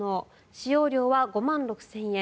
使用料は５万６０００円。